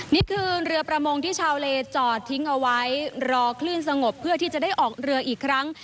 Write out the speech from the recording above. นี่คือเรือประมงที่ชาวเลจอดทิ้งเอาไว้รอคลื่นสงบเพื่อที่จะได้ออกเรืออีกครั้ง